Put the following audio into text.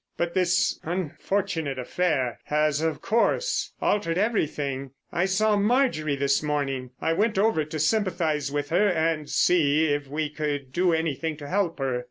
But this unfortunate affair has, of course, altered everything. I saw Marjorie this morning. I went over to sympathise with her and see if we could do anything to help her.